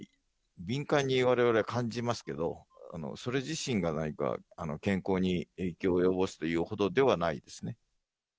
敏感にわれわれは感じますけど、それ自身が何か健康に影響を及ぼすというほどではないですね。